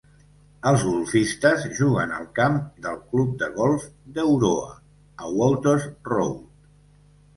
Els golfistes juguen al camp del Club de Golf d'Euroa, a Walters Road.